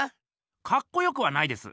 かっこよくはないです。